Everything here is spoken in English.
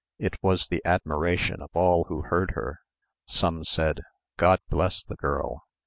It was the admiration of all who heard her. Some said, "God bless the girl!"